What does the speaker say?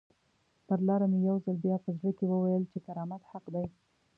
پر لاره مې یو ځل بیا په زړه کې وویل چې کرامت حق دی.